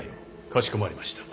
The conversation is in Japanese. かしこまりました。